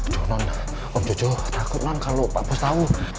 jangan om jojo takut man kalau pak bos tahu